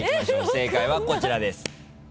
正解はこちらです。